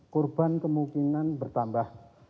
korban kemungkinan bertambah